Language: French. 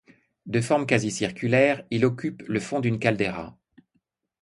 De forme quasi circulaire, il occupe le fond d'une caldeira.